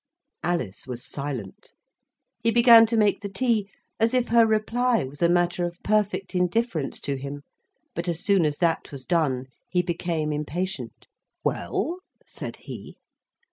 Alice was silent. He began to make the tea, as if her reply was a matter of perfect indifference to him; but, as soon as that was done, he became impatient. "Well?" said he.